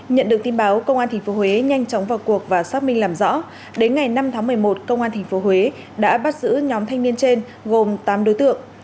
nhận được tin báo công an tp huế nhanh chóng vào cuộc và xác minh làm rõ đến ngày năm tháng một mươi một công an tp huế đã bắt giữ nhóm thanh niên trên gồm tám đối tượng